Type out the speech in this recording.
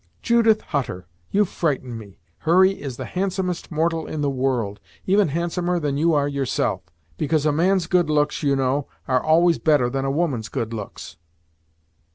"Judith Hutter! you frighten me. Hurry is the handsomest mortal in the world even handsomer than you are yourself; because a man's good looks, you know, are always better than a woman's good looks."